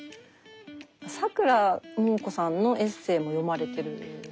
さくらももこさんのエッセーも読まれてるんですね。